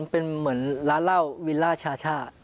เป็นเหมือนร้านเหล้าวิลล่าชาช่า